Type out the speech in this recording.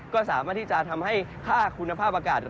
ก็สามารถที่จะทำให้ค่าคุณภาพอากาศ